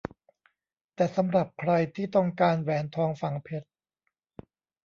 แต่สำหรับใครที่ต้องการแหวนทองฝังเพชร